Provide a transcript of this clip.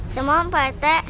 semalam pak rete